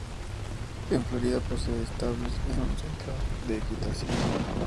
En Florida posee establos y un centro de equitación.